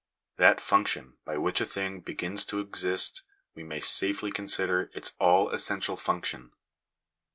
That function by which a thing begins to exist we may safely consider its all essential function.